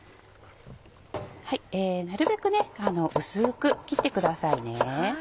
なるべく薄く切ってください。